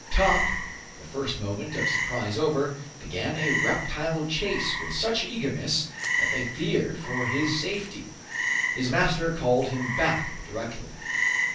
Top, the first moment of surprise over, began a reptile chase with such eagerness, that they feared for his safety. His master called him back directly.